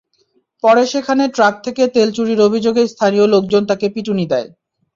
পরে সেখানে ট্রাক থেকে তেল চুরির অভিযোগে স্থানীয় লোকজন তাঁকে পিটুনি দেয়।